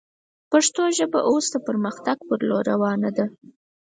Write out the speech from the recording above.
پښتو ژبه اوس د پرمختګ پر لور روانه ده